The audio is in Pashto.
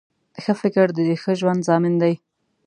ښه فکر د ښه ژوند ضامن دی